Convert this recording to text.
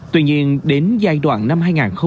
tuy nhiên đến giai đoạn năm hai nghìn một mươi tám